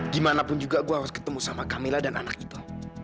dimanapun juga gue harus ketemu sama kamila dan anak itu